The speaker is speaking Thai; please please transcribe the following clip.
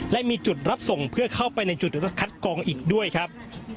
และมีจุดรับส่งเพื่อเข้าไปในจุดคัดกองอีกด้วยครับ